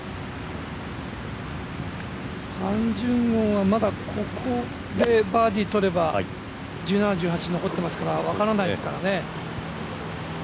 ハン・ジュンゴンはまだ、ここでバーディーとれば１７、１８残ってますから分からないですからね。